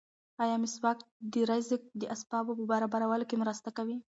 ایا مسواک د رزق د اسبابو په برابرولو کې مرسته کوي؟